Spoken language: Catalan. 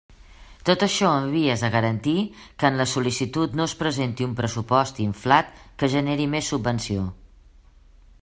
Tot això en vies a garantir que en la sol·licitud no es presenti un pressupost inflat que generi més subvenció.